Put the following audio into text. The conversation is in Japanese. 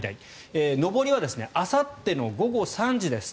上りはあさっての午後３時です。